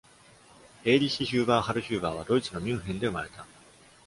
Erich Huber Hallhuber はドイツのミュンヘンで生まれた。